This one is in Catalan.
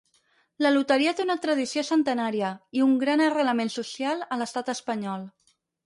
La Loteria té una tradició centenària i un gran arrelament social a l'Estat espanyol.